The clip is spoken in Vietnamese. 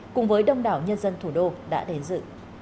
cùng với đông đảo nhân dân thủ đô đã đến dự